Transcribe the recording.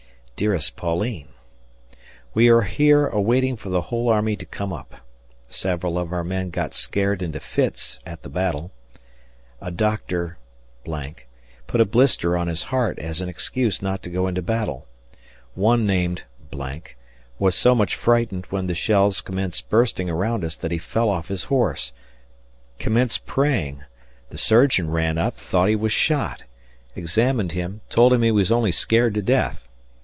Dearest Pauline: We are here awaiting for the whole army to come up ... Several of our men got scared into fits at the battle. A Dr. put a blister on his heart as an excuse not to go into battle; one named was so much frightened when the shells commenced bursting around us that he fell off his horse commenced praying; the surgeon ran up, thought he was shot; examined him, told him he was only scared to death.